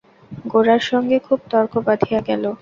গোরার সঙ্গে খুব তর্ক বাধিয়া গেল।